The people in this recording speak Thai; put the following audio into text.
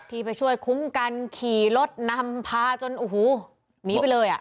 ไปช่วยคุ้มกันขี่รถนำพาจนโอ้โหหนีไปเลยอ่ะ